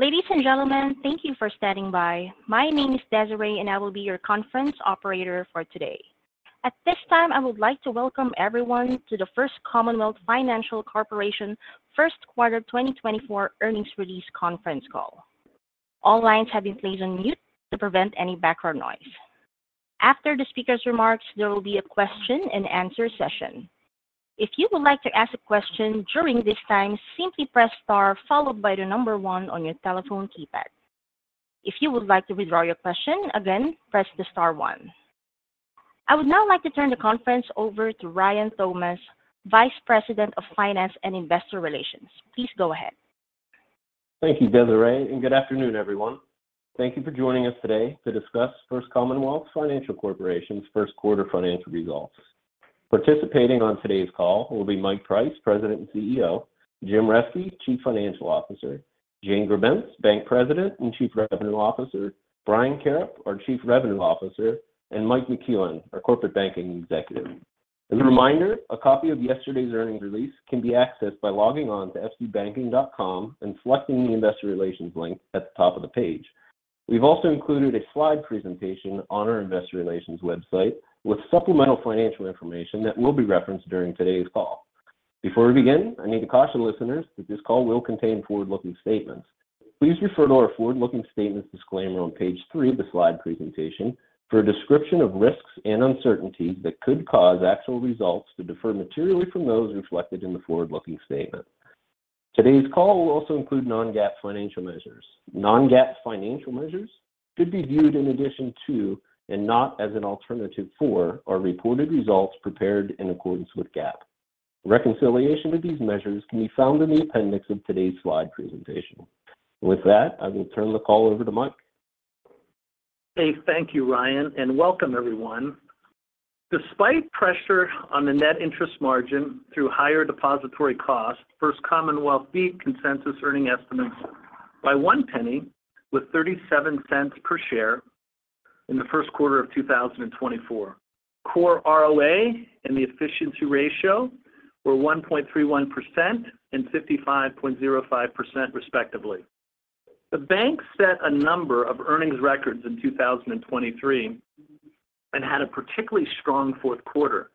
Ladies and gentlemen, thank you for standing by. My name is Desiree, and I will be your conference operator for today. At this time, I would like to welcome everyone to the First Commonwealth Financial Corporation First Quarter 2024 Earnings Release Conference Call. All lines have been placed on mute to prevent any background noise. After the speaker's remarks, there will be a question-and-answer session. If you would like to ask a question during this time, simply press Star followed by the number one on your telephone keypad. If you would like to withdraw your question, again, press the Star one. I would now like to turn the conference over to Ryan Thomas, Vice President of Finance and Investor Relations. Please go ahead. Thank you, Desiree, and good afternoon, everyone. Thank you for joining us today to discuss First Commonwealth Financial Corporation's First Quarter Financial Results. Participating on today's call will be Mike Price, President and CEO, Jim Reske, Chief Financial Officer, Jane Grebenc, Bank President and Chief Revenue Officer, Brian Karrip, our Chief Credit Officer, and Mike McEwen, our Corporate Banking Executive. As a reminder, a copy of yesterday's earnings release can be accessed by logging on to fcbanking.com and selecting the Investor Relations link at the top of the page. We've also included a slide presentation on our investor relations website with supplemental financial information that will be referenced during today's call. Before we begin, I need to caution listeners that this call will contain forward-looking statements. Please refer to our forward-looking statements disclaimer on page three of the slide presentation for a description of risks and uncertainties that could cause actual results to differ materially from those reflected in the forward-looking statement. Today's call will also include non-GAAP financial measures. Non-GAAP financial measures could be viewed in addition to, and not as an alternative for, our reported results prepared in accordance with GAAP. Reconciliation of these measures can be found in the appendix of today's slide presentation. With that, I will turn the call over to Mike. Hey, thank you, Ryan, and welcome everyone. Despite pressure on the net interest margin through higher depository costs, First Commonwealth beat consensus earnings estimates by $0.01, with $0.37 per share in the first quarter of 2024. Core ROA and the efficiency ratio were 1.31% and 55.05%, respectively. The bank set a number of earnings records in 2023 and had a particularly strong fourth quarter.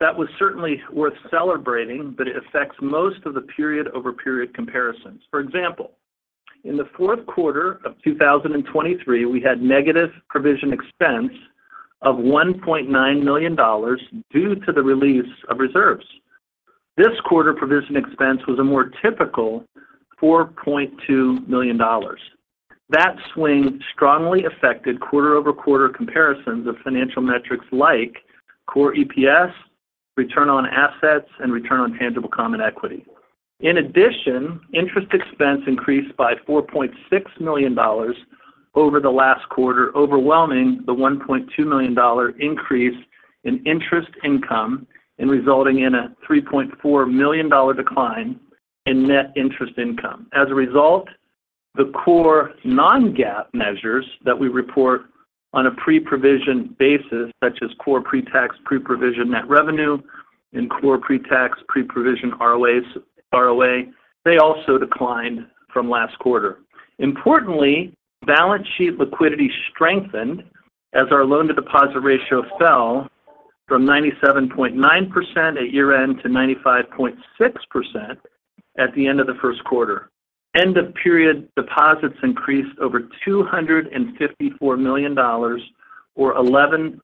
That was certainly worth celebrating, but it affects most of the period-over-period comparisons. For example, in the fourth quarter of 2023, we had negative provision expense of $1.9 million due to the release of reserves. This quarter, provision expense was a more typical $4.2 million. That swing strongly affected quarter-over-quarter comparisons of financial metrics like core EPS, return on assets, and return on tangible common equity. In addition, interest expense increased by $4.6 million over the last quarter, overwhelming the $1.2 million increase in interest income and resulting in a $3.4 million decline in net interest income. As a result, the core non-GAAP measures that we report on a pre-provision basis, such as core pre-tax, pre-provision net revenue and core pre-tax, pre-provision ROAs-- ROA, they also declined from last quarter. Importantly, balance sheet liquidity strengthened as our loan-to-deposit ratio fell from 97.9% at year-end to 95.6% at the end of the first quarter. End-of-period deposits increased over $254 million, or 11.1%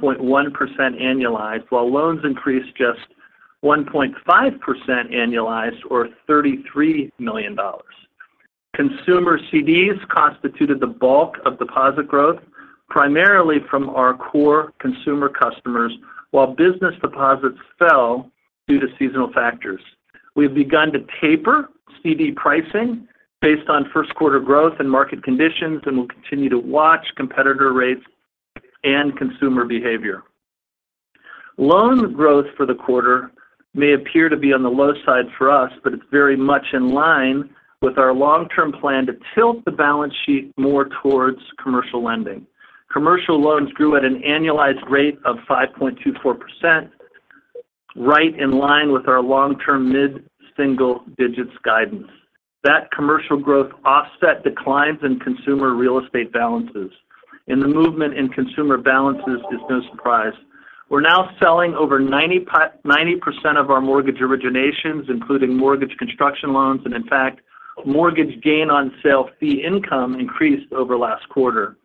annualized, while loans increased just 1.5% annualized, or $33 million. Consumer CDs constituted the bulk of deposit growth, primarily from our core consumer customers, while business deposits fell due to seasonal factors. We've begun to taper CD pricing based on first quarter growth and market conditions, and we'll continue to watch competitor rates and consumer behavior. Loan growth for the quarter may appear to be on the low side for us, but it's very much in line with our long-term plan to tilt the balance sheet more towards commercial lending. Commercial loans grew at an annualized rate of 5.24%, right in line with our long-term mid-single digits guidance. That commercial growth offset declines in consumer real estate balances, and the movement in consumer balances is no surprise. We're now selling over 90% of our mortgage originations, including mortgage construction loans, and in fact, mortgage gain-on-sale fee income increased over last quarter.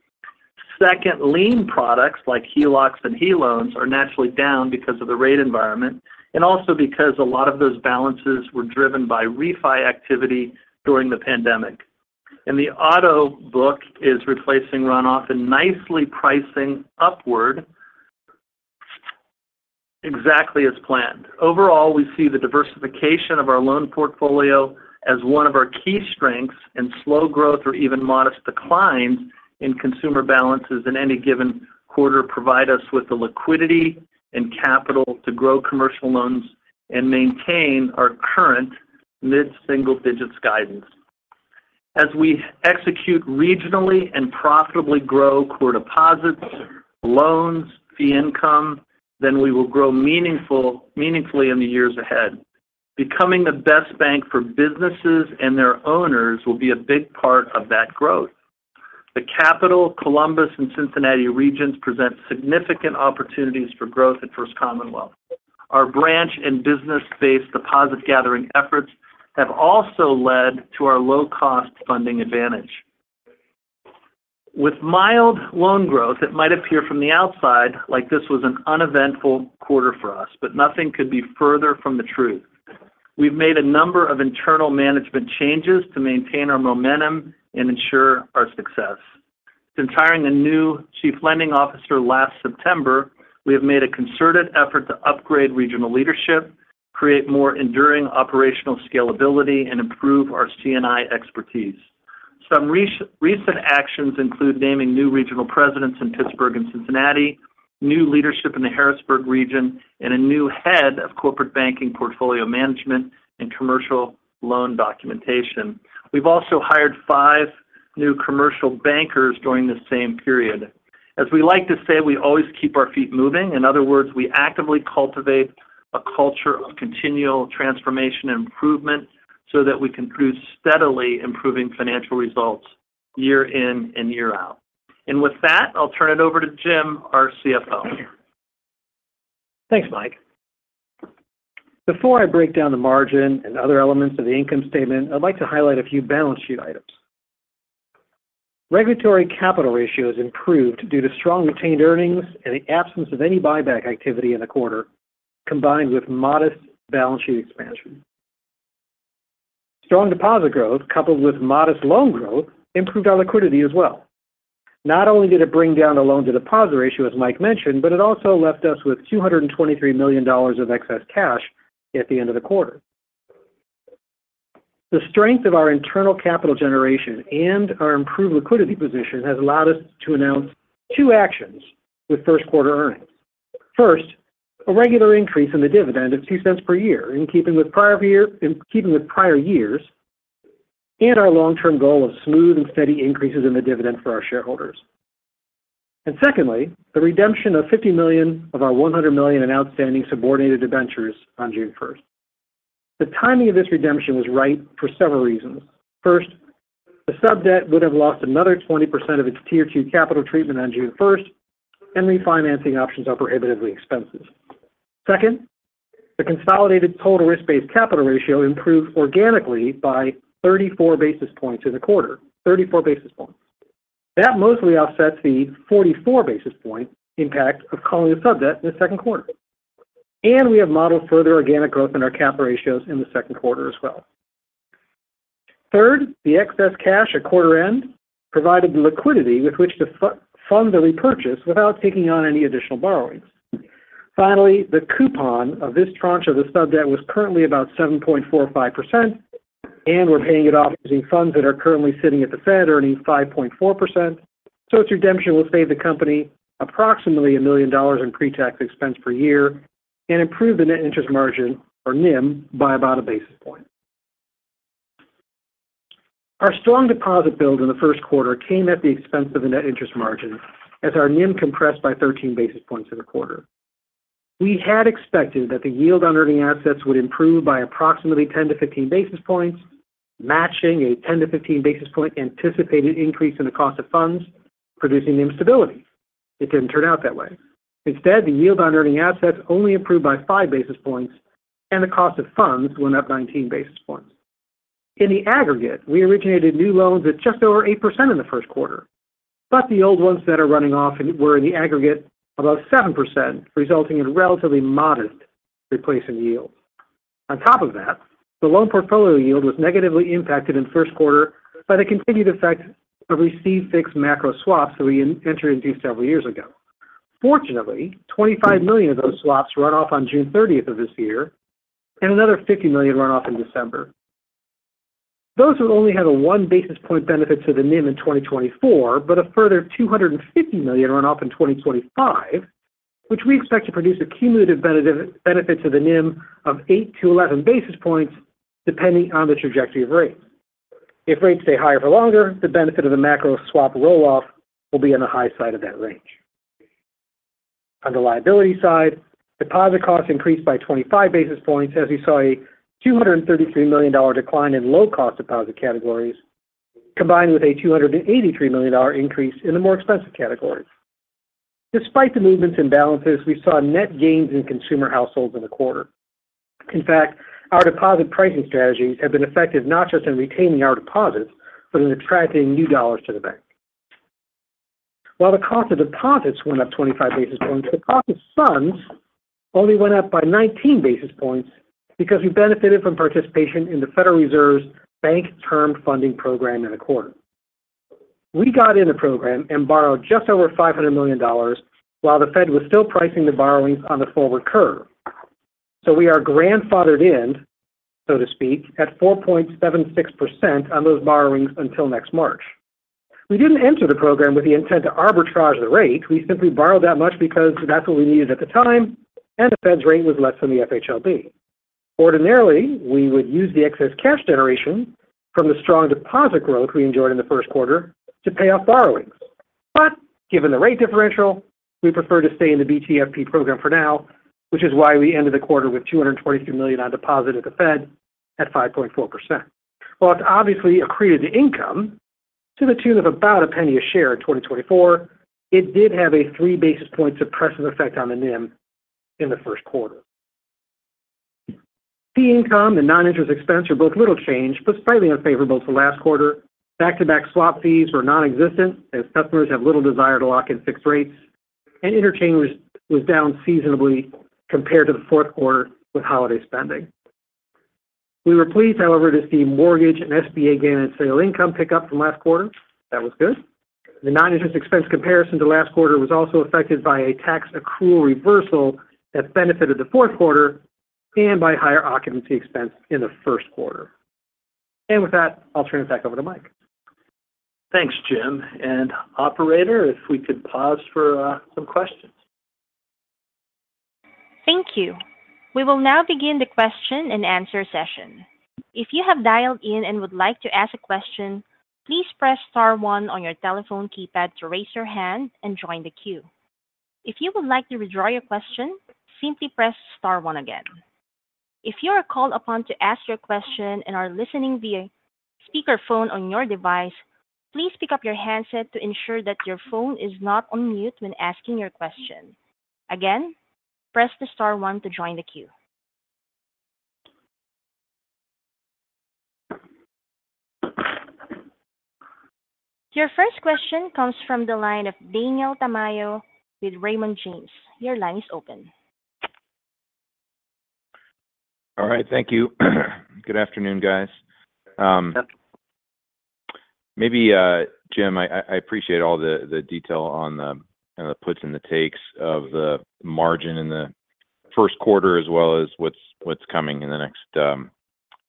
Second lien products like HELOCs and HELoans are naturally down because of the rate environment and also because a lot of those balances were driven by refi activity during the pandemic. And the auto book is replacing runoff and nicely pricing upward... exactly as planned. Overall, we see the diversification of our loan portfolio as one of our key strengths, and slow growth or even modest declines in consumer balances in any given quarter provide us with the liquidity and capital to grow commercial loans and maintain our current mid-single digits guidance. As we execute regionally and profitably grow core deposits, loans, fee income, then we will grow meaningfully in the years ahead. Becoming the best bank for businesses and their owners will be a big part of that growth. The Capital, Columbus, and Cincinnati regions present significant opportunities for growth at First Commonwealth. Our branch and business-based deposit gathering efforts have also led to our low-cost funding advantage. With mild loan growth, it might appear from the outside like this was an uneventful quarter for us, but nothing could be further from the truth. We've made a number of internal management changes to maintain our momentum and ensure our success. Since hiring a new chief lending officer last September, we have made a concerted effort to upgrade regional leadership, create more enduring operational scalability, and improve our C&I expertise. Some recent actions include naming new regional presidents in Pittsburgh and Cincinnati, new leadership in the Harrisburg region, and a new head of corporate banking, portfolio management, and commercial loan documentation. We've also hired five new commercial bankers during the same period. As we like to say, we always keep our feet moving. In other words, we actively cultivate a culture of continual transformation and improvement so that we can produce steadily improving financial results year in and year out. And with that, I'll turn it over to Jim, our CFO. Thanks, Mike. Before I break down the margin and other elements of the income statement, I'd like to highlight a few balance sheet items. Regulatory capital ratios improved due to strong retained earnings and the absence of any buyback activity in the quarter, combined with modest balance sheet expansion. Strong deposit growth, coupled with modest loan growth, improved our liquidity as well. Not only did it bring down the loan-to-deposit ratio, as Mike mentioned, but it also left us with $223 million of excess cash at the end of the quarter. The strength of our internal capital generation and our improved liquidity position has allowed us to announce two actions with first quarter earnings. First, a regular increase in the dividend of $0.02 per year, in keeping with prior years, and our long-term goal of smooth and steady increases in the dividend for our shareholders. And secondly, the redemption of $50 million of our $100 million in outstanding subordinated debentures on June first. The timing of this redemption was right for several reasons. First, the subdebt would have lost another 20% of its Tier 2 capital treatment on June first, and refinancing options are prohibitively expensive. Second, the consolidated total risk-based capital ratio improved organically by 34 basis points in the quarter, 34 basis points. That mostly offsets the 44 basis point impact of calling the subdebt in the second quarter. And we have modeled further organic growth in our capital ratios in the second quarter as well. Third, the excess cash at quarter end provided the liquidity with which to fund the repurchase without taking on any additional borrowings. Finally, the coupon of this tranche of the subdebt was currently about 7.45%, and we're paying it off using funds that are currently sitting at the Fed, earning 5.4%. So its redemption will save the company approximately $1 million in pre-tax expense per year and improve the net interest margin, or NIM, by about 1 basis point. Our strong deposit build in the first quarter came at the expense of the net interest margin, as our NIM compressed by 13 basis points in the quarter. We had expected that the yield on earning assets would improve by approximately 10-15 basis points, matching a 10-15 basis point anticipated increase in the cost of funds, producing NIM stability.It didn't turn out that way. Instead, the yield on earning assets only improved by 5 basis points, and the cost of funds went up 19 basis points. In the aggregate, we originated new loans at just over 8% in the first quarter, but the old ones that are running off were in the aggregate about 7%, resulting in relatively modest replacement yields. On top of that, the loan portfolio yield was negatively impacted in the first quarter by the continued effect of receive-fixed macro swaps that we entered into several years ago. Fortunately, $25 million of those swaps run off on June 30th of this year, and another $50 million run off in December.Those will only have a 1 basis point benefit to the NIM in 2024, but a further $250 million run off in 2025, which we expect to produce a cumulative benefit to the NIM of 8-11 basis points, depending on the trajectory of rates. If rates stay higher for longer, the benefit of the macro swap roll-off will be on the high side of that range. On the liability side, deposit costs increased by 25 basis points, as we saw a $233 million decline in low-cost deposit categories, combined with a $283 million increase in the more expensive categories. Despite the movements and balances, we saw net gains in consumer households in the quarter.In fact, our deposit pricing strategies have been effective, not just in retaining our deposits, but in attracting new dollars to the bank. While the cost of deposits went up 25 basis points, the cost of funds only went up by 19 basis points because we benefited from participation in the Federal Reserve's Bank Term Funding Program in the quarter. We got in the program and borrowed just over $500 million while the Fed was still pricing the borrowings on the forward curve. So we are grandfathered in, so to speak, at 4.76% on those borrowings until next March. We didn't enter the program with the intent to arbitrage the rate. We simply borrowed that much because that's what we needed at the time, and the Fed's rate was less than the FHLB....Ordinarily, we would use the excess cash generation from the strong deposit growth we enjoyed in the first quarter to pay off borrowings. But given the rate differential, we prefer to stay in the BTFP program for now, which is why we ended the quarter with $223 million on deposit at the Fed at 5.4%. While it's obviously accretive to income to the tune of about $0.01 a share in 2024, it did have a 3 basis point suppressive effect on the NIM in the first quarter. Fee income and non-interest expense are both little changed, but slightly unfavorable to last quarter. Back-to-back swap fees were nonexistent, as customers have little desire to lock in fixed rates, and interchange was down seasonally compared to the fourth quarter with holiday spending. We were pleased, however, to see mortgage and SBA gain on sale income pick up from last quarter. That was good. The non-interest expense comparison to last quarter was also affected by a tax accrual reversal that benefited the fourth quarter and by higher occupancy expense in the first quarter. With that, I'll turn it back over to Mike. Thanks, Jim, and operator, if we could pause for some questions. Thank you. We will now begin the question-and-answer session. If you have dialed in and would like to ask a question, please press star one on your telephone keypad to raise your hand and join the queue. If you would like to withdraw your question, simply press star one again. If you are called upon to ask your question and are listening via speakerphone on your device, please pick up your handset to ensure that your phone is not on mute when asking your question. Again, press the star one to join the queue. Your first question comes from the line of Daniel Tamayo with Raymond James. Your line is open. All right, thank you. Good afternoon, guys. Maybe, Jim, I appreciate all the detail on the kind of the puts and the takes of the margin in the first quarter, as well as what's coming in the next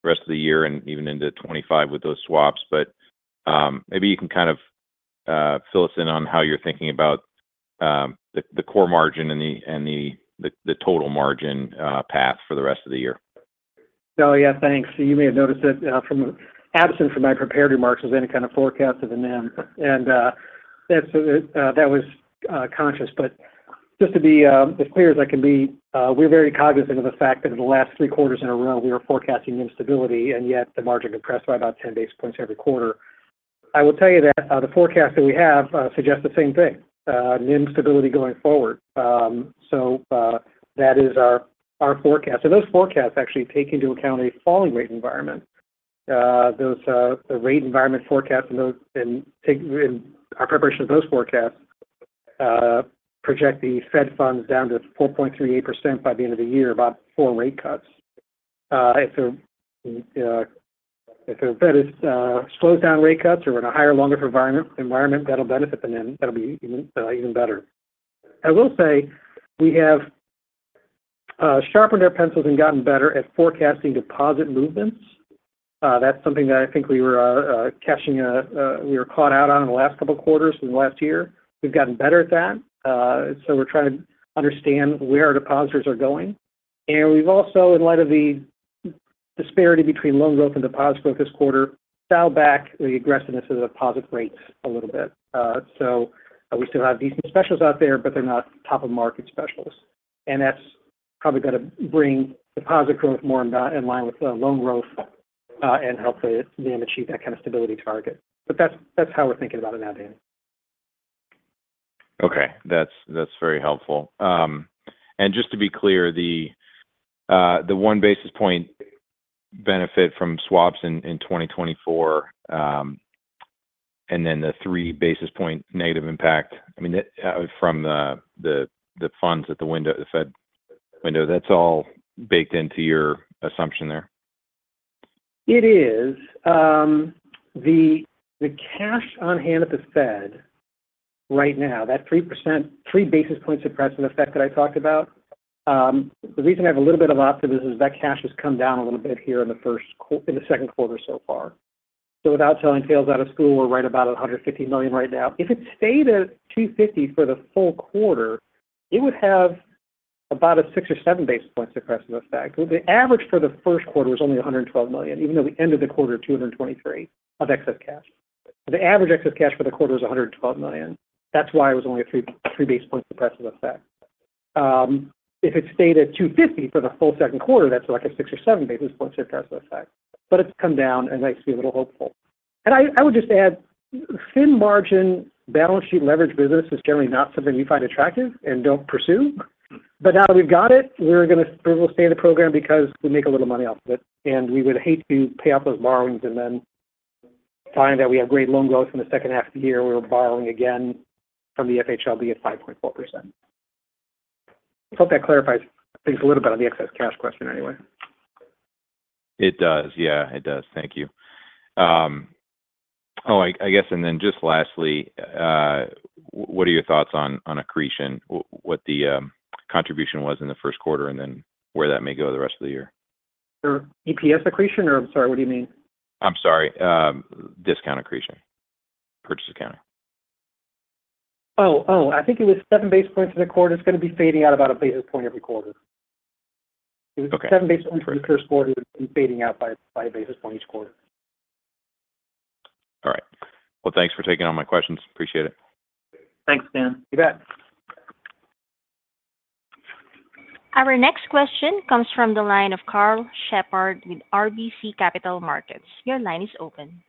rest of the year and even into 2025 with those swaps. But, maybe you can kind of fill us in on how you're thinking about the core margin and the total margin path for the rest of the year. So, yeah, thanks. You may have noticed that was absent from my prepared remarks any kind of forecast of the NIM. And that was conscious. But just to be as clear as I can be, we're very cognizant of the fact that in the last three quarters in a row, we are forecasting NIM stability, and yet the margin compressed by about 10 basis points every quarter. I will tell you that the forecast that we have suggests the same thing, NIM stability going forward. So that is our forecast. So those forecasts actually take into account a falling rate environment. Those, the rate environment forecasts in our preparation of those forecasts project the Fed funds down to 4.38% by the end of the year, about four rate cuts. If, if the Fed is slows down rate cuts or in a higher, longer environment, environment, that'll benefit the NIM. That'll be even, even better. I will say we have sharpened our pencils and gotten better at forecasting deposit movements. That's something that I think we were catching a, we were caught out on in the last couple of quarters and last year. We've gotten better at that. So we're trying to understand where our depositors are going. And we've also, in light of the disparity between loan growth and deposit growth this quarter, dialed back the aggressiveness of the deposit rates a little bit. So we still have decent specials out there, but they're not top-of-market specials, and that's probably gonna bring deposit growth more in line with the loan growth, and help the NIM achieve that kind of stability target. But that's, that's how we're thinking about it now, Dan. Okay. That's, that's very helpful. And just to be clear, the one basis points benefit from swaps in 2024, and then the three basis points negative impact, I mean, from the funds at the window, the Fed window, that's all baked into your assumption there? It is. The cash on hand at the Fed right now, that 3% - three basis points suppressive effect that I talked about, the reason I have a little bit of optimism is that cash has come down a little bit here in the second quarter so far. So without telling tales out of school, we're right about $150 million right now. If it stayed at $250 million for the full quarter, it would have about a six or seven basis points suppressive effect. The average for the first quarter was only $112 million, even though we ended the quarter at $223 million of excess cash. The average excess cash for the quarter was $112 million. That's why it was only three basis points suppressive effect. If it stayed at 2.50 for the full second quarter, that's like a 6 or 7 basis points suppressive effect. But it's come down, and I see a little hopeful. I would just add, thin margin, balance sheet leverage business is generally not something we find attractive and don't pursue. But now that we've got it, we're gonna, we will stay in the program because we make a little money off of it, and we would hate to pay off those borrowings and then find that we have great loan growth in the second half of the year. We're borrowing again from the FHLB at 5.4%. Hope that clarifies things a little bit on the excess cash question anyway. It does. Yeah, it does. Thank you. Oh, I guess and then just lastly, what are your thoughts on accretion? What the contribution was in the first quarter, and then where that may go the rest of the year? EPS accretion or... I'm sorry, what do you mean? I'm sorry, discount accretion, purchase accounting.... Oh, oh, I think it was 7 basis points in the quarter. It's going to be fading out about a basis point every quarter. Okay. 7 basis points for the first quarter and fading out by a basis point each quarter. All right. Well, thanks for taking all my questions. Appreciate it. Thanks, Dan. You bet. Our next question comes from the line of Karl Shepard with RBC Capital Markets. Your line is open.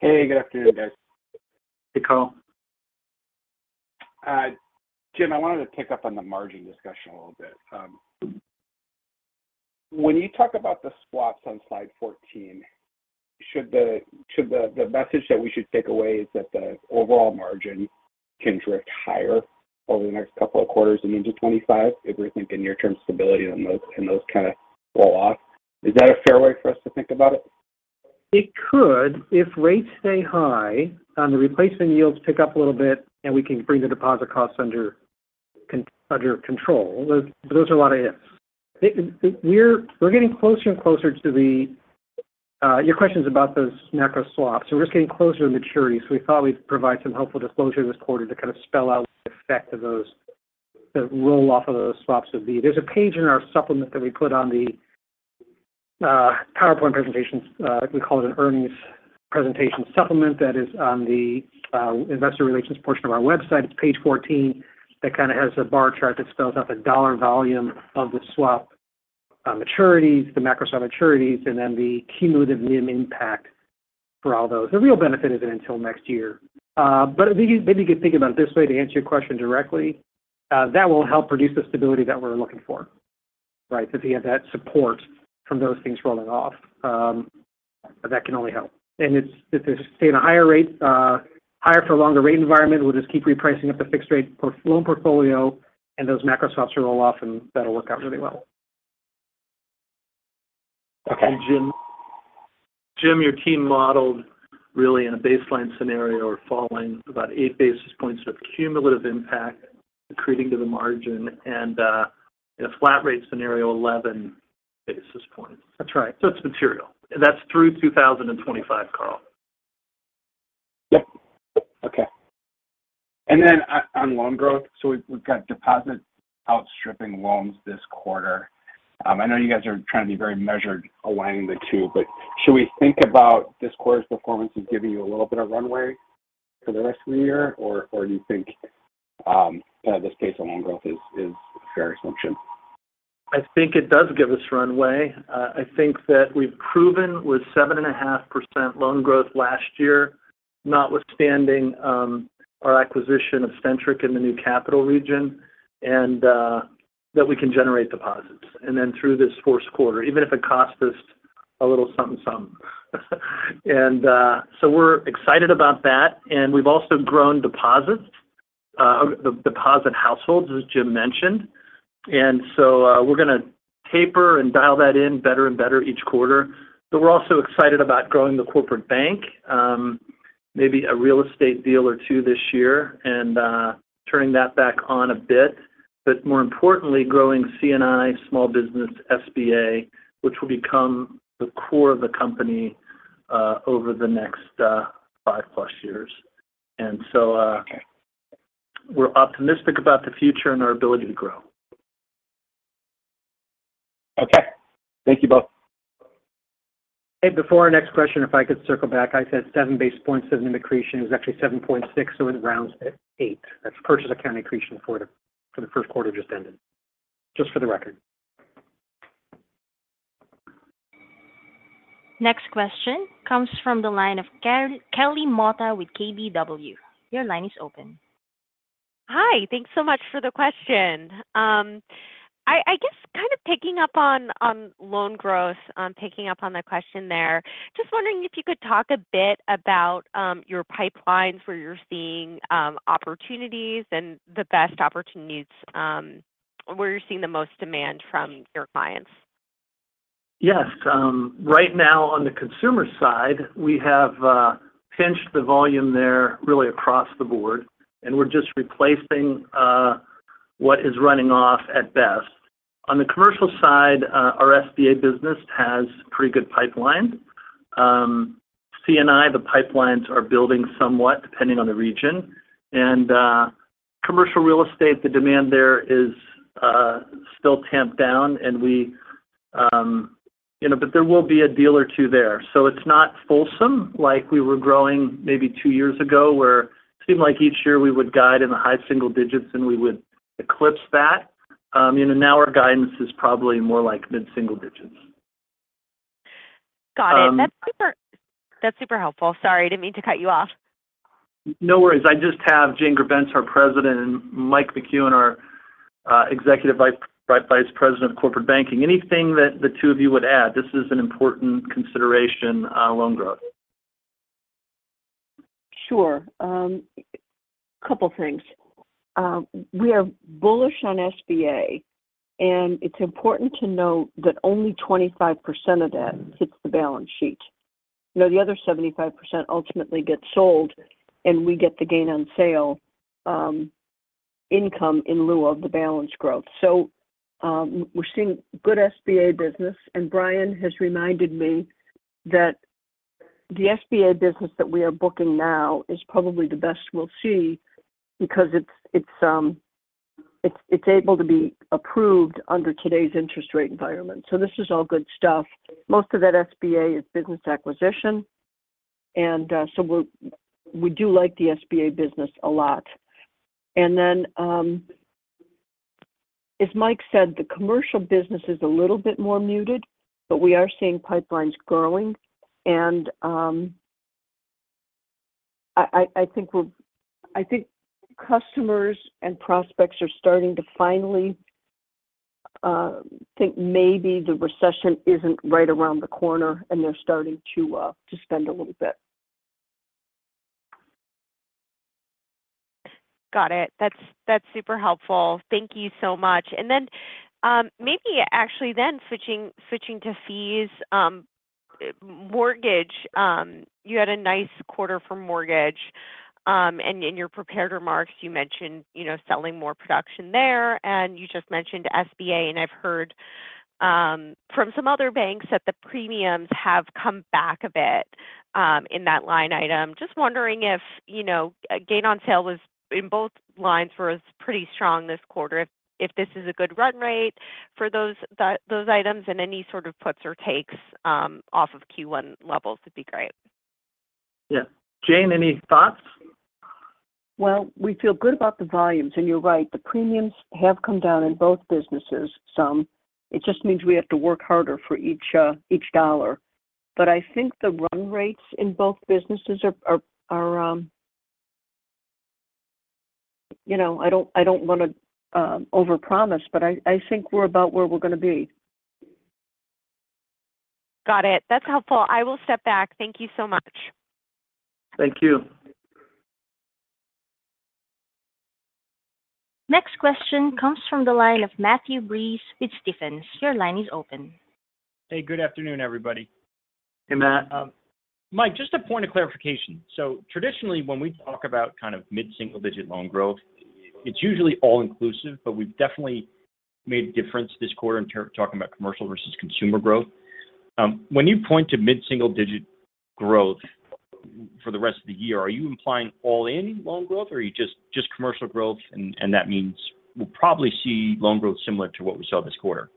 Hey, good afternoon, guys. Hey, Carl. Jim, I wanted to pick up on the margin discussion a little bit. When you talk about the swaps on slide 14, the message that we should take away is that the overall margin can drift higher over the next couple of quarters and into 2025 if we think in near-term stability and those kind of roll off? Is that a fair way for us to think about it? It could, if rates stay high, the replacement yields pick up a little bit, and we can bring the deposit costs under control. But those are a lot of ifs. We're getting closer and closer to the. Your question is about those macro swaps. So we're just getting closer to maturity, so we thought we'd provide some helpful disclosure this quarter to kind of spell out the effect of those, the roll-off of those swaps would be. There's a page in our supplement that we put on the PowerPoint presentations. We call it an earnings presentation supplement. That is on the investor relations portion of our website. It's page 14. That kind of has a bar chart that spells out the dollar volume of the swap maturities, the macro swap maturities, and then the cumulative NIM impact for all those. The real benefit isn't until next year. But maybe you could think about it this way, to answer your question directly, that will help produce the stability that we're looking for, right? So if you have that support from those things rolling off, that can only help. And if they stay in a higher rate, higher for longer rate environment, we'll just keep repricing up the fixed rate loan portfolio, and those macro swaps roll off, and that'll work out really well. Okay, Jim. Jim, your team modeled really in a baseline scenario of falling about 8 basis points of cumulative impact accreting to the margin and, in a flat rate scenario, 11 basis points. That's right. It's material. That's through 2025, Karl. Yep. Okay. And then on, on loan growth, so we've, we've got deposits outstripping loans this quarter. I know you guys are trying to be very measured weighing the two, but should we think about this quarter's performance as giving you a little bit of runway for the rest of the year, or, or do you think, this pace of loan growth is, is a fair assumption? I think it does give us runway. I think that we've proven with 7.5% loan growth last year, notwithstanding our acquisition of Centric in the new Capital Region, and that we can generate deposits. Then through this first quarter, even if it cost us a little something, something. So we're excited about that, and we've also grown deposits, the deposit households, as Jim mentioned. So we're going to taper and dial that in better and better each quarter. But we're also excited about growing the corporate bank, maybe a real estate deal or two this year, and turning that back on a bit. But more importantly, growing C&I, small business, SBA, which will become the core of the company over the next 5+ years. So- Okay. We're optimistic about the future and our ability to grow. Okay. Thank you both. Hey, before our next question, if I could circle back, I said 7 basis points of accretion. It was actually 7.6, so it rounds at eight. That's Purchase Accounting Accretion for the first quarter just ended. Just for the record. Next question comes from the line of Kelly Motta with KBW. Your line is open. Hi, thanks so much for the question. I guess kind of picking up on, on loan growth, on picking up on the question there, just wondering if you could talk a bit about your pipelines, where you're seeing opportunities and the best opportunities, where you're seeing the most demand from your clients? Yes. Right now, on the consumer side, we have pinched the volume there really across the board, and we're just replacing what is running off at best. On the commercial side, our SBA business has pretty good pipeline. C&I, the pipelines are building somewhat, depending on the region. And commercial real estate, the demand there is still tamped down, and we, you know... But there will be a deal or two there. So it's not fulsome, like we were growing maybe two years ago, where it seemed like each year we would guide in the high single digits, and we would eclipse that. You know, now our guidance is probably more like mid-single digits. Got it. Um- That's super, that's super helpful. Sorry, I didn't mean to cut you off. No worries. I just have Jane Grebenc, our president, and Mike McEwen, our executive vice president of corporate banking. Anything that the two of you would add? This is an important consideration on loan growth. Sure. A couple of things. We are bullish on SBA, and it's important to note that only 25% of that hits the balance sheet. You know, the other 75% ultimately gets sold, and we get the gain on sale, income in lieu of the balance growth. So, we're seeing good SBA business, and Brian has reminded me that the SBA business that we are booking now is probably the best we'll see because it's able to be approved under today's interest rate environment. So this is all good stuff. Most of that SBA is business acquisition, and, so we do like the SBA business a lot. And then, as Mike said, the commercial business is a little bit more muted, but we are seeing pipelines growing.I think customers and prospects are starting to finally think maybe the recession isn't right around the corner, and they're starting to spend a little bit. Got it. That's, that's super helpful. Thank you so much. And then, maybe actually then switching to fees. Mortgage, you had a nice quarter for mortgage. And in your prepared remarks, you mentioned, you know, selling more production there, and you just mentioned SBA. And I've heard from some other banks that the premiums have come back a bit in that line item. Just wondering if, you know, gain on sale was in both lines were pretty strong this quarter. If this is a good run rate for those, those items and any sort of puts or takes off of Q1 levels would be great. Yeah. Jane, any thoughts? Well, we feel good about the volumes. You're right, the premiums have come down in both businesses some. It just means we have to work harder for each, each dollar. I think the run rates in both businesses are, you know, I don't wanna overpromise, but I think we're about where we're gonna be. Got it. That's helpful. I will step back. Thank you so much. Thank you. Next question comes from the line of Matthew Breese with Stephens. Your line is open. Hey, good afternoon, everybody. Hey, Matt. Mike, just a point of clarification. So traditionally, when we talk about kind of mid-single-digit loan growth, it's usually all inclusive, but we've definitely made a difference this quarter in talking about commercial versus consumer growth. When you point to mid-single digit growth for the rest of the year, are you implying all-in loan growth, or are you just commercial growth, and that means we'll probably see loan growth similar to what we saw this quarter?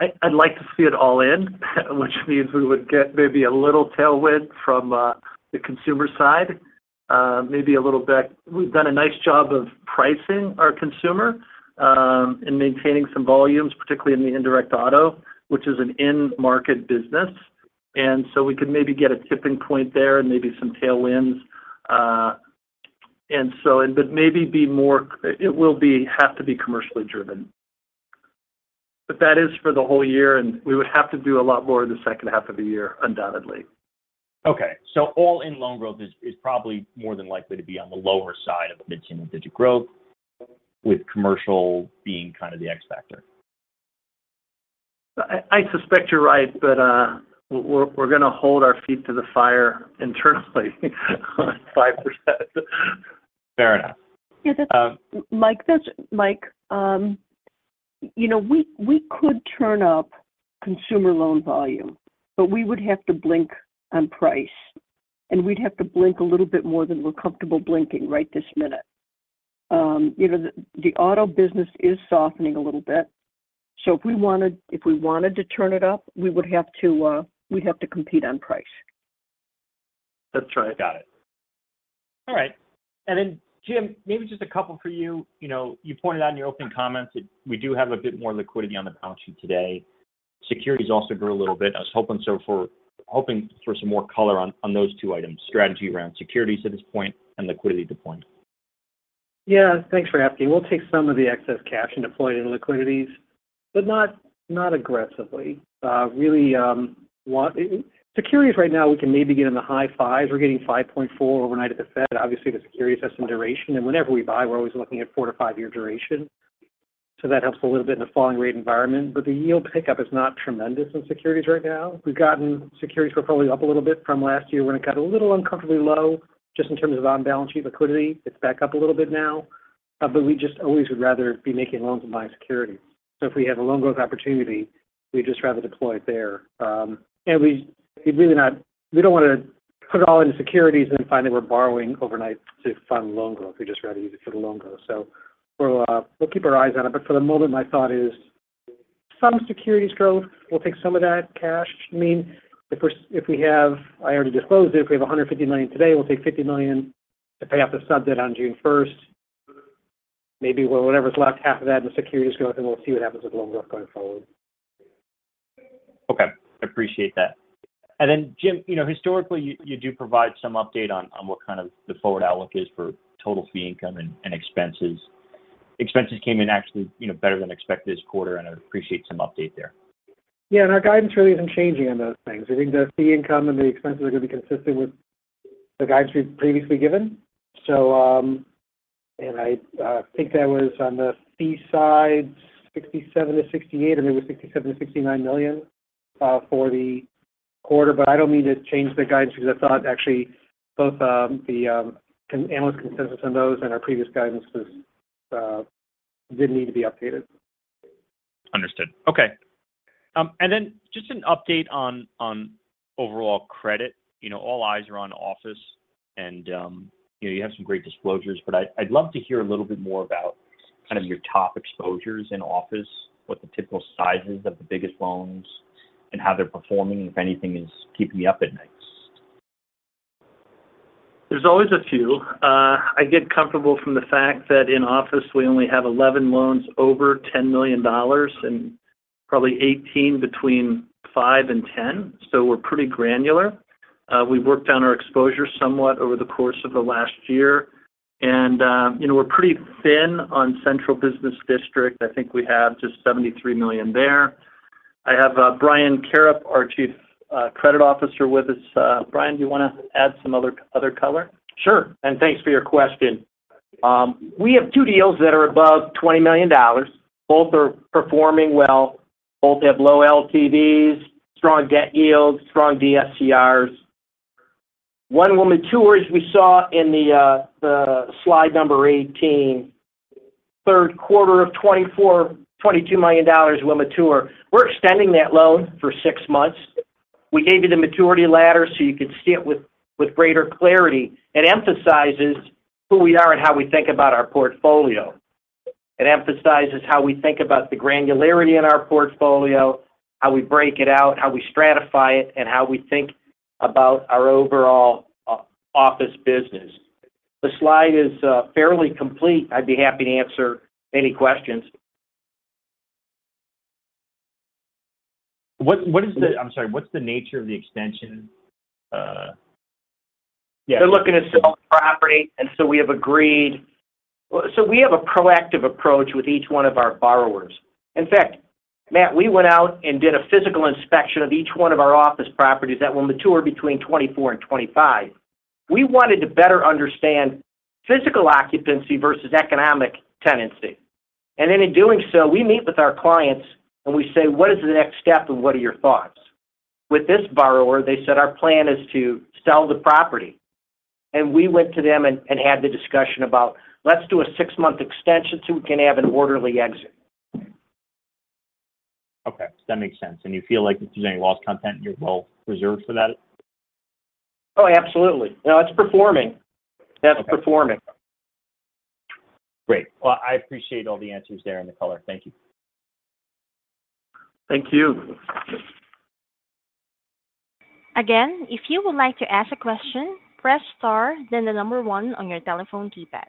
I'd like to see it all in, which means we would get maybe a little tailwind from the consumer side, maybe a little bit. We've done a nice job of pricing our consumer and maintaining some volumes, particularly in the indirect auto, which is an end-market business. And so we could maybe get a tipping point there and maybe some tailwinds. And so, but it will have to be commercially driven. But that is for the whole year, and we would have to do a lot more in the second half of the year, undoubtedly. Okay. So all-in loan growth is probably more than likely to be on the lower side of mid-single digit growth, with commercial being kind of the X factor? I suspect you're right, but we're gonna hold our feet to the fire internally, on 5%. Fair enough. Yeah, that's Mike, that's Mike, you know, we, we could turn up consumer loan volume, but we would have to blink on price, and we'd have to blink a little bit more than we're comfortable blinking right this minute. You know, the, the auto business is softening a little bit, so if we wanted if we wanted to turn it up, we would have to, we'd have to compete on price. That's right. Got it. All right. And then, Jim, maybe just a couple for you. You know, you pointed out in your opening comments that we do have a bit more liquidity on the balance sheet today. Securities also grew a little bit. I was hoping for some more color on those two items, strategy around securities at this point and liquidity to point. Yeah. Thanks for asking. We'll take some of the excess cash and deploy it in liquidities, but not, not aggressively. Really, Securities right now, we can maybe get in the high fives. We're getting 5.4 overnight at the Fed. Obviously, the securities have some duration, and whenever we buy, we're always looking at 4-5 year duration, so that helps a little bit in the falling rate environment. But the yield pickup is not tremendous in securities right now. We've gotten securities, we're probably up a little bit from last year when it got a little uncomfortably low, just in terms of on-balance sheet liquidity. It's back up a little bit now, but we just always would rather be making loans and buying securities. So if we have a loan growth opportunity, we'd just rather deploy it there. We don't wanna put it all into securities and find that we're borrowing overnight to fund loan growth. We'd just rather use it for the loan growth. So we'll keep our eyes on it, but for the moment, my thought is some securities growth. We'll take some of that cash. I mean, if we have... I already disclosed it, if we have $150 million today, we'll take $50 million to pay off the subdebt on June first. Maybe, well, whatever's left, half of that in the securities growth, and we'll see what happens with loan growth going forward. Okay, I appreciate that. And then, Jim, you know, historically, you do provide some update on what kind of the forward outlook is for total fee income and expenses. Expenses came in actually, you know, better than expected this quarter, and I'd appreciate some update there. Yeah, and our guidance really isn't changing on those things. I think the fee income and the expenses are going to be consistent with the guidance we've previously given. So, and I think that was on the fee side, $67 million-$68 million, and it was $67 million-$69 million for the quarter, but I don't mean to change the guidance because I thought actually both the analyst consensus on those and our previous guidance was didn't need to be updated. Understood. Okay. And then just an update on overall credit. You know, all eyes are on office, and you know, you have some great disclosures, but I, I'd love to hear a little bit more about kind of your top exposures in office, what the typical sizes of the biggest loans, and how they're performing, if anything is keeping you up at night. There's always a few. I get comfortable from the fact that in office, we only have 11 loans over $10 million and probably 18 between five and 10, so we're pretty granular. We've worked on our exposure somewhat over the course of the last year, and, you know, we're pretty thin on central business district. I think we have just $73 million there. I have, Brian Karrip, our Chief Credit Officer with us. Brian, do you want to add some other color? Sure. Thanks for your question. We have two deals that are above $20 million. Both are performing well. Both have low LTVs, strong debt yields, strong DSCRs. One will mature, as we saw in the slide number 18. Third quarter of 2024, $22 million will mature. We're extending that loan for six months. We gave you the maturity ladder so you could see it with greater clarity. It emphasizes who we are and how we think about our portfolio. It emphasizes how we think about the granularity in our portfolio, how we break it out, how we stratify it, and how we think about our overall office business. The slide is fairly complete. I'd be happy to answer any questions. I'm sorry, what's the nature of the extension? Yeah. They're looking to sell property, and so we have agreed. So we have a proactive approach with each one of our borrowers. In fact, Matt, we went out and did a physical inspection of each one of our office properties that will mature between 2024 and 2025. We wanted to better understand physical occupancy versus economic tenancy. And then in doing so, we meet with our clients, and we say, "What is the next step, and what are your thoughts?" With this borrower, they said, "Our plan is to sell the property." And we went to them and, and had the discussion about, let's do a six-month extension, so we can have an orderly exit. Okay, that makes sense. You feel like if there's any loss content, you're well reserved for that? Oh, absolutely. No, it's performing. Okay. That's performing. Great. Well, I appreciate all the answers there and the color. Thank you. Thank you. Again, if you would like to ask a question, press star, then the number one on your telephone keypad.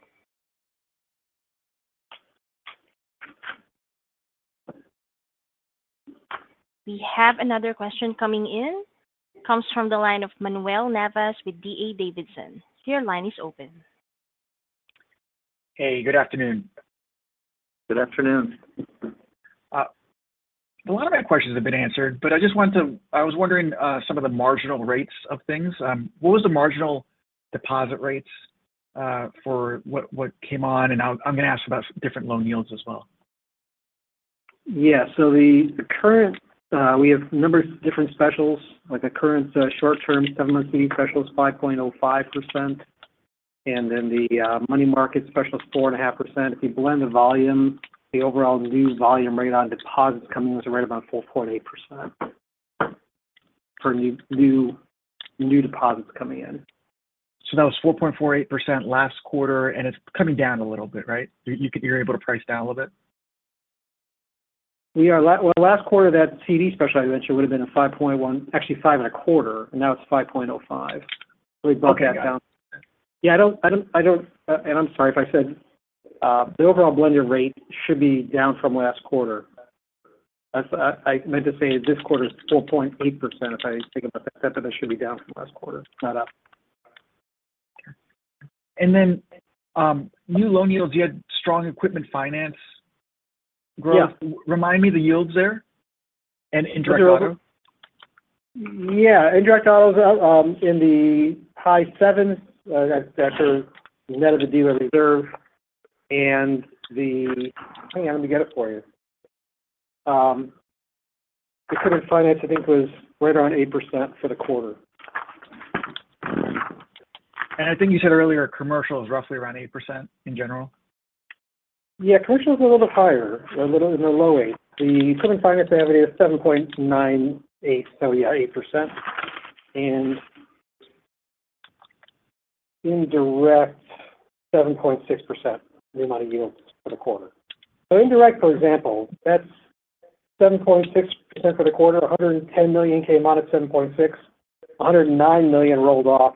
We have another question coming in. Comes from the line of Manuel Navas with D.A. Davidson. Your line is open. Hey, good afternoon. Good afternoon. A lot of my questions have been answered, but I just want to—I was wondering, some of the marginal rates of things. What was the marginal deposit rates for what, what came on? And I'm going to ask about different loan yields as well. Yeah. So the current, we have a number of different specials, like the current short-term seven-month CD special is 5.05%, and then the money market special is 4.5%. If you blend the volume, the overall new volume rate on deposits coming in is right about 4.8% for new deposits coming in. So that was 4.48% last quarter, and it's coming down a little bit, right? You're able to price down a little bit? We are. Well, last quarter, that CD special I mentioned would have been a 5.1-- actually, 5.25, and now it's 5.05. Okay. So we bumped that down. Yeah, I don't. And I'm sorry if I said the overall blended rate should be down from last quarter. That's, I meant to say this quarter is 4.8%. If I think about that, but that should be down from last quarter, not up. And then, new loan yields, you had strong equipment finance growth. Yeah. Remind me the yields there and indirect auto. Yeah. Indirect autos in the high sevens, that's net of the dealer reserve. Hang on, let me get it for you. The equipment finance, I think, was right around 8% for the quarter. I think you said earlier, commercial is roughly around 8% in general? Yeah. Commercial is a little bit higher, a little in the low eight. The equipment finance average is 7.98, so yeah, 8%. And indirect, 7.6%, the amount of yield for the quarter. So indirect, for example, that's 7.6% for the quarter. $110 million came out at 7.6. $109 million rolled off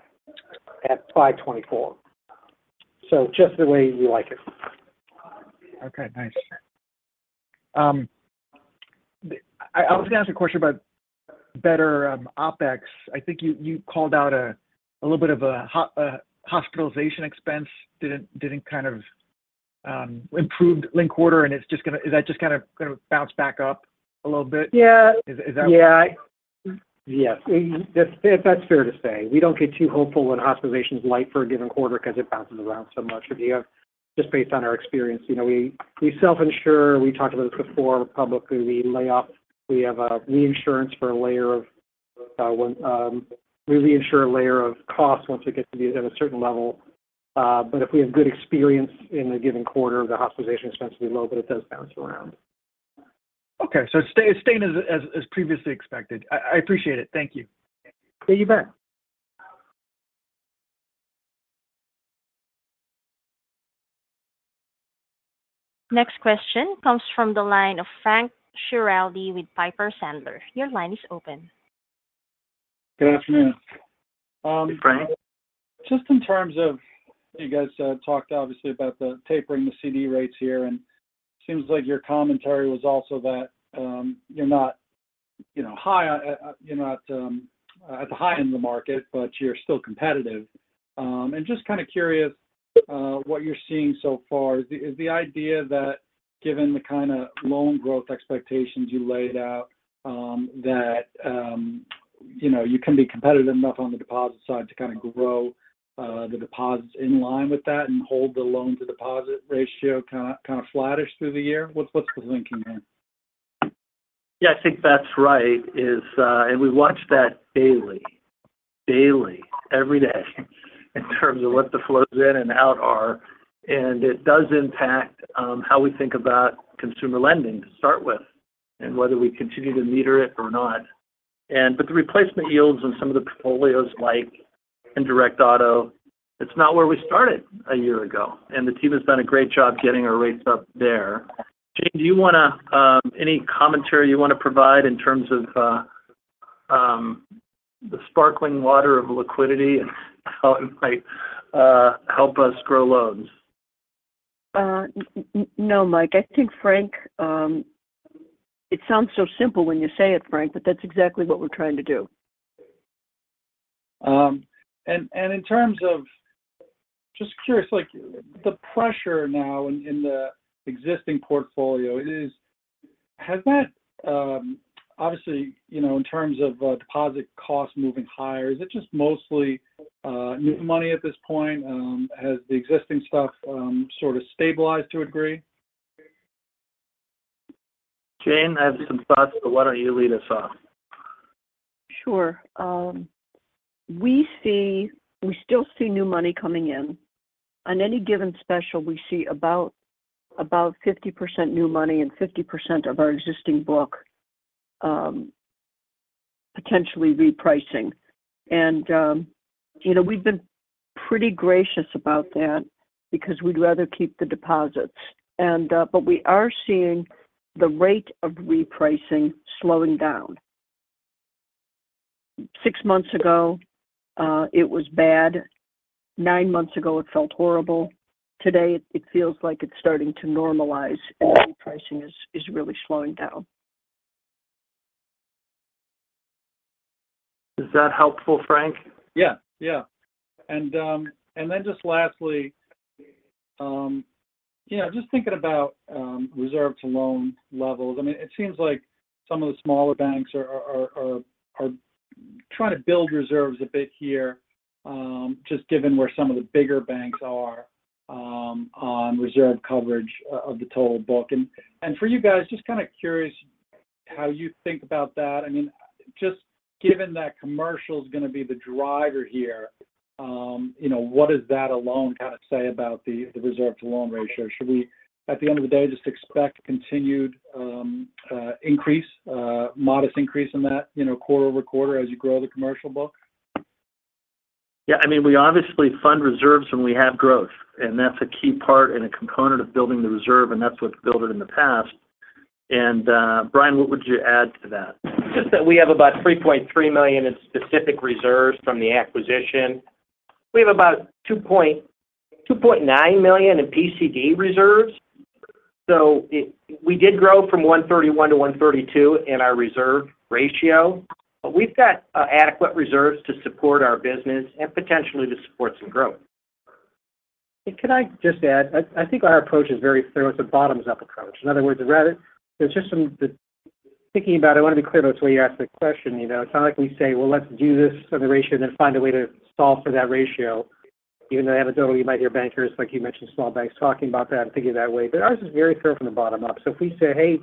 at 5.24. So just the way you like it. Okay, thanks. I was going to ask a question about better OpEx. I think you called out a little bit of a hospitalization expense. Did it kind of improved linked quarter, and it's just gonna— Is that just kinda gonna bounce back up a little bit? Yeah. Is that what- Yeah. Yes, that's, that's fair to say. We don't get too hopeful when hospitalization is light for a given quarter because it bounces around so much, and you have-... just based on our experience, you know, we, we self-insure. We talked about this before publicly. We lay off-- we have a reinsurance for a layer of, when, we reinsure a layer of cost once it gets to be at a certain level. But if we have good experience in a given quarter, the hospitalization expense will be low, but it does bounce around. Okay. So it's staying as previously expected. I appreciate it. Thank you. Yeah, you bet. Next question comes from the line of Frank Schiraldi with Piper Sandler. Your line is open. Good afternoon. Hey, Frank. Just in terms of, you guys, talked obviously about the tapering the CD rates here, and seems like your commentary was also that, you're not, you know, high, you're not, at the high end of the market, but you're still competitive. And just kind of curious, what you're seeing so far. Is the, is the idea that given the kind of loan growth expectations you laid out, that, you know, you can be competitive enough on the deposit side to kind of grow, the deposits in line with that and hold the loan-to-deposit ratio kind of, kind of flattish through the year? What's the thinking there? Yeah, I think that's right, and we watch that daily, daily, every day, in terms of what the flows in and out are. And it does impact how we think about consumer lending to start with and whether we continue to meter it or not. And but the replacement yields on some of the portfolios, like in direct auto, it's not where we started a year ago, and the team has done a great job getting our rates up there. Jane, do you want to any commentary you want to provide in terms of the sparkling water of liquidity and how it might help us grow loans? No, Mike. I think, Frank, it sounds so simple when you say it, Frank, but that's exactly what we're trying to do. And in terms of, just curious, like, the pressure now in the existing portfolio, is, has that obviously, you know, in terms of deposit costs moving higher, is it just mostly new money at this point? Has the existing stuff sort of stabilized to a degree? Jane, I have some thoughts, but why don't you lead us off? Sure. We still see new money coming in. On any given special, we see about 50% new money and 50% of our existing book, potentially repricing. And, you know, we've been pretty gracious about that because we'd rather keep the deposits. And, but we are seeing the rate of repricing slowing down. Six months ago, it was bad. Nine months ago, it felt horrible. Today, it feels like it's starting to normalize, and repricing is really slowing down. Is that helpful, Frank? Yeah. Yeah. And then just lastly, yeah, just thinking about reserve to loan levels. I mean, it seems like some of the smaller banks are trying to build reserves a bit here, just given where some of the bigger banks are on reserve coverage of the total book. And for you guys, just kind of curious how you think about that. I mean, just given that commercial is going to be the driver here, you know, what does that alone kind of say about the reserve to loan ratio? Should we, at the end of the day, just expect continued modest increase in that, you know, quarter over quarter as you grow the commercial book? Yeah, I mean, we obviously fund reserves when we have growth, and that's a key part and a component of building the reserve, and that's what's built it in the past. And, Brian, what would you add to that? Just that we have about $3.3 million in specific reserves from the acquisition. We have about $2.9 million in PCD reserves. So we did grow from 131-132 in our reserve ratio. But we've got adequate reserves to support our business and potentially to support some growth. Could I just add? I think our approach is very thorough. It's a bottoms-up approach. In other words, thinking about it, I want to be clear about this when you ask the question, you know. It's not like we say, "Well, let's do this for the ratio, then find a way to solve for that ratio." Even though anecdotally, you might hear bankers, like you mentioned, small banks, talking about that and thinking that way. But ours is very clear from the bottom up. So if we say, "Hey,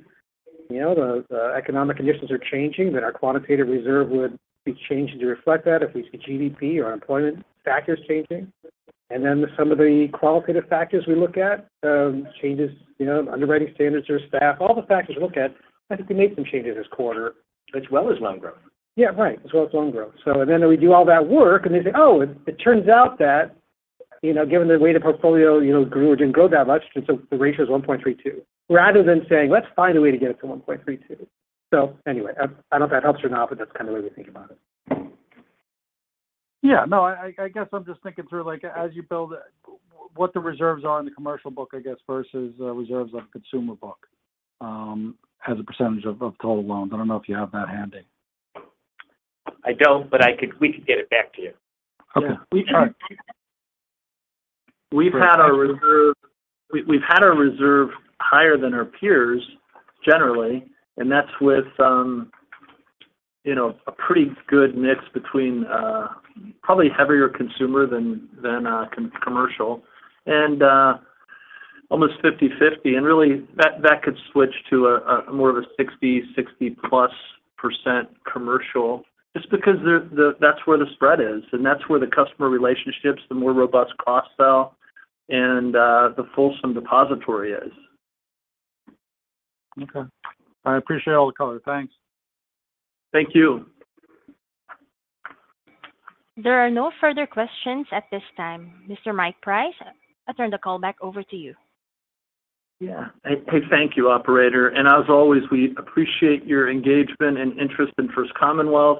you know, the economic conditions are changing," then our quantitative reserve would be changing to reflect that if we see GDP or employment factors changing. Then some of the qualitative factors we look at, changes, you know, underwriting standards or staff, all the factors we look at. I think we made some changes this quarter, as well as loan growth. Yeah, right. As well as loan growth. So and then we do all that work, and they say, "Oh, it, it turns out that, you know, given the weight of portfolio, you know, grew or didn't grow that much, and so the ratio is 1.32." Rather than saying, "Let's find a way to get it to 1.32." So anyway, I don't know if that helps or not, but that's kind of the way we think about it. Yeah. No, I guess I'm just thinking through, like, as you build, what the reserves are in the commercial book, I guess, versus reserves on the consumer book, as a percentage of total loans. I don't know if you have that handy. I don't, but I could, we could get it back to you. Okay. Yeah. We've had our reserve. We've had our reserve higher than our peers, generally, and that's with, you know, a pretty good mix between, probably heavier consumer than commercial. And almost 50/50, and really, that could switch to a more of a 60, 60%+ commercial, just because the, that's where the spread is, and that's where the customer relationships, the more robust cross-sell, and the fulsome depository is. Okay. I appreciate all the color. Thanks. Thank you. There are no further questions at this time. Mr. Mike Price, I turn the call back over to you. Yeah. Hey, thank you, operator. And as always, we appreciate your engagement and interest in First Commonwealth.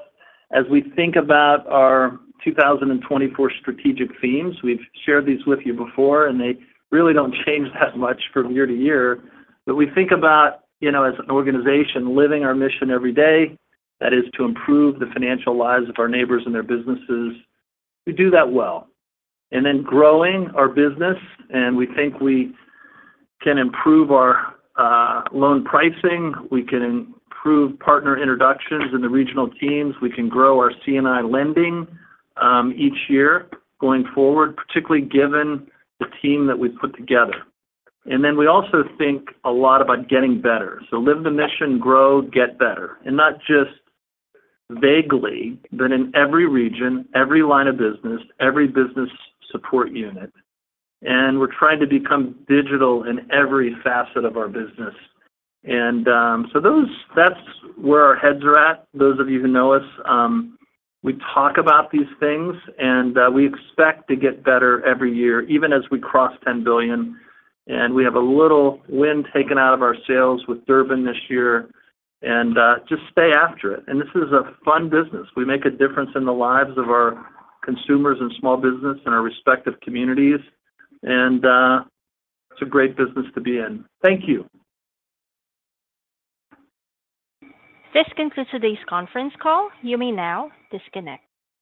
As we think about our 2024 strategic themes, we've shared these with you before, and they really don't change that much from year to year. But we think about, you know, as an organization, living our mission every day. That is, to improve the financial lives of our neighbors and their businesses. We do that well. And then growing our business, and we think we can improve our loan pricing. We can improve partner introductions in the regional teams. We can grow our C&I lending each year going forward, particularly given the team that we've put together. And then we also think a lot about getting better. So live the mission, grow, get better. And not just vaguely, but in every region, every line of business, every business support unit. And we're trying to become digital in every facet of our business. And, so those-- that's where our heads are at. Those of you who know us, we talk about these things, and, we expect to get better every year, even as we cross $10 billion. And we have a little wind taken out of our sails with Durbin this year, and, just stay after it. And this is a fun business. We make a difference in the lives of our consumers and small business in our respective communities, and, it's a great business to be in. Thank you. This concludes today's conference call. You may now disconnect.